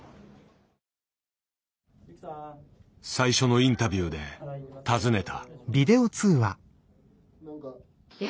最初のインタビューで尋ねた。